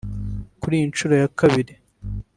Kuri iyi nshuro ya kabiri